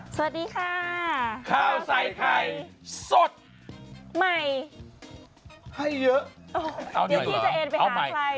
สวัสดีค่ะข้าวใส่ไข่สดใหม่ให้เยอะ